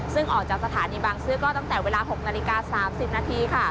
ซึ่งออกจากสถานีบางซื้อก็ตั้งแต่เวลา๖นาฬิกา๓๐นาที